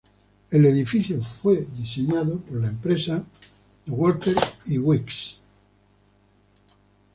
El edificio fue diseñado por la empresa de Walker y Weeks.